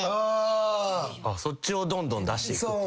そっちをどんどん出していく。